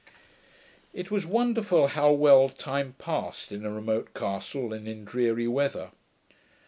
It was wonderful how well time passed in a remote castle, and in dreary weather.